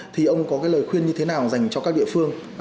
thì ông có cái lời khuyên như thế nào dành cho các địa phương